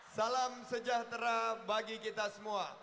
salam sejahtera bagi kita semua